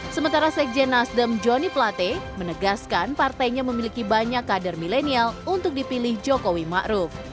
sementara sekjen nasdem johnny plate menegaskan partainya memiliki banyak kader milenial untuk dipilih jokowi ma'ruf